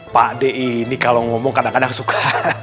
pak d ini kalau ngomong kadang kadang suka